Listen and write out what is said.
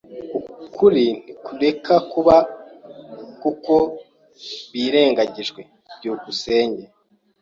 Ukuri ntikureka kubaho kuko birengagijwe. byukusenge